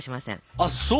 あっそう。